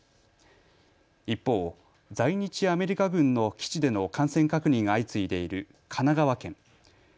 一方、在日アメリカ軍の基地での感染確認が相次いでいる神奈川県。